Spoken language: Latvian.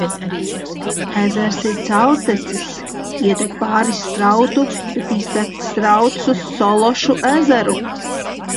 Ezers ir caurteces: ietek pāris strautu, bet iztek strauts uz Sološu ezeru.